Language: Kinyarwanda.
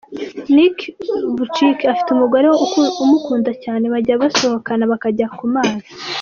Nick Vujicic afite umugore umukunda cyane, bajya basohoka bakajya ku mazi.